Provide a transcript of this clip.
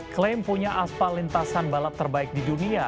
klaim punya aspal lintasan balap terbaik di dunia